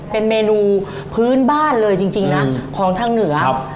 เป็นเมนูพื้นบ้านเลยจริงนะของทางเหนือ